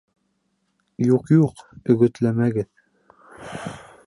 Юҡ-юҡ, өгөтләмәгеҙ.